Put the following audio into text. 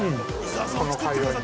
この会話に。